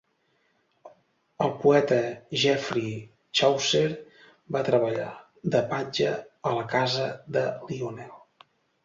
El poeta Geoffrey Chaucer va treballar de patge a la casa de Lionel.